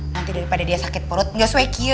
nanti daripada dia sakit perut gak suek ye